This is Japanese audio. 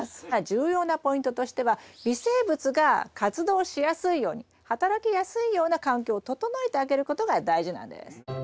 重要なポイントとしては微生物が活動しやすいように働きやすいような環境を整えてあげることが大事なんです。